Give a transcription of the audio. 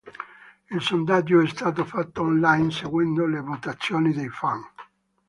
Il sondaggio è stato fatto online seguendo le votazioni dei fan.